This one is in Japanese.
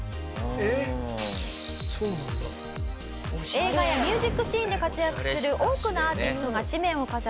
映画やミュージックシーンで活躍する多くのアーティストが誌面を飾る『ＢＡＲＦＯＵＴ！』。